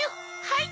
はい。